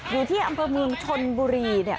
อยู่ที่อัมพมือชนบุรีเนี่ย